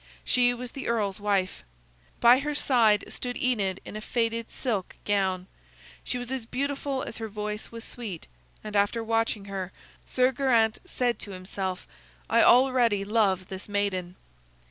She was the earl's wife. By her side stood Enid in a faded silk gown. She was as beautiful as her voice was sweet, and after watching her, Sir Geraint said to himself: "I already love this maiden."